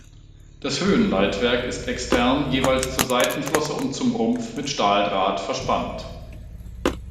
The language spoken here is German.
Das Höhenleitwerk ist extern jeweils zur Seitenflosse und zum Rumpf mit Stahldraht verspannt.